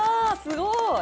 すごい！